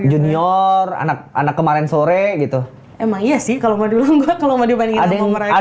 junior anak anak kemarin sore gitu emang iya sih kalau mau dulu enggak kalau mau dibandingin dengan mereka